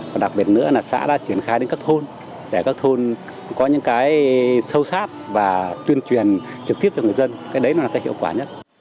và đặc biệt nữa là xã đã triển khai đến các thôn để các thôn có những cái sâu sát và tuyên truyền trực tiếp cho người dân cái đấy nó là cái hiệu quả nhất